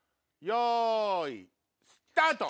よいスタート！